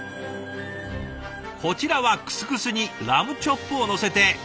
こちらはクスクスにラムチョップをのせて。